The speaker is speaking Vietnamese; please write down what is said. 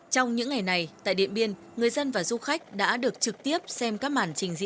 trong những ngày này tại điện biên người dân và du khách đã được trực tiếp xem các màn trình diễn